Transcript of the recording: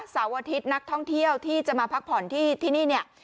เสาร์อาทิตย์นักท่องเที่ยวที่จะมาพักผ่อนที่นี่เนี่ย